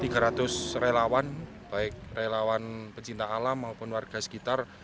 tiga ratus relawan baik relawan pecinta alam maupun warga sekitar